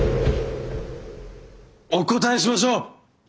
お答えしましょう！